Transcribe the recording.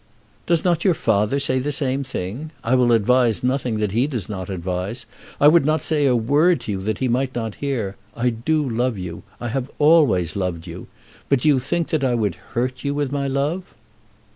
"Does not your father say the same thing? I will advise nothing that he does not advise. I would not say a word to you that he might not hear. I do love you. I have always loved you. But do you think that I would hurt you with my love?"